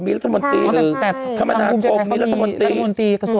มีรัฐมนตรีคือความบรรทางโครงมีรัฐมนตรี